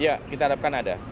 ya kita harapkan ada